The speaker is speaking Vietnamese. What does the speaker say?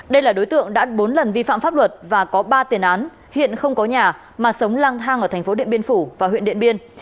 đây là đối tượng đã bốn lần vi phạm pháp luật và có ba tiền án hiện không có nhà mà sống lang thang ở thành phố điện biên phủ và huyện điện biên